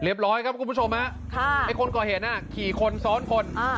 ร้อยครับคุณผู้ชมฮะไอ้คนก่อเหตุน่ะขี่คนซ้อนคน